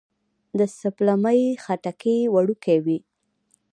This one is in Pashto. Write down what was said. د سپلمۍ خټکی وړوکی وي